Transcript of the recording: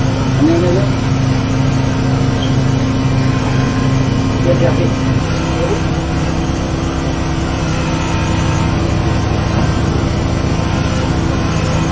เอาเลยเอาเลยเอาเลยเอาเลยเอาเลยเอาเลยเอาเลย